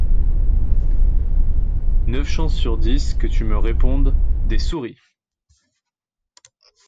neuf chances sur dix que tu me répondes « Des souris !